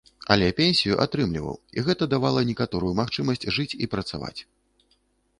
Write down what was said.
Але пенсію атрымліваў, і гэта давала некаторую магчымасць жыць і працаваць.